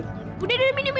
lo bukan temen gue